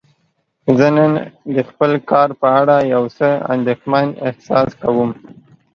زه نن د خپل کار په اړه یو څه اندیښمن احساس کوم.